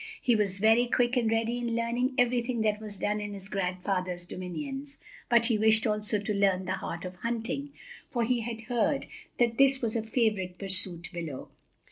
He was very quick and ready in learning everything that was done in his grandfather's dominions, but he wished also to learn the art of hunting, for he had heard that this was a favorite pursuit below.